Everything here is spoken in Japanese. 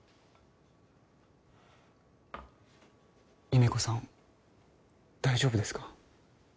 優芽子さん大丈夫ですか？